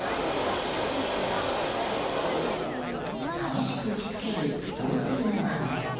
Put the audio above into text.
激しく打ちつける大粒の雨。